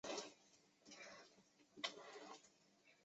特雷德雷洛凯莫。